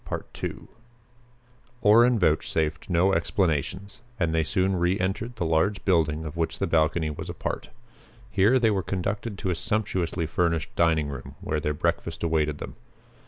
Orrin vouchsafed no explanations and they soon reentered the large building of which the balcony was a part. Here they were conducted to a sumptuously furnished dining room where their breakfast awaited them.